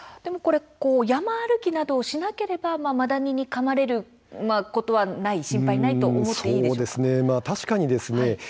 山歩きなどをしなければマダニにかまれることはないと考えていいですか。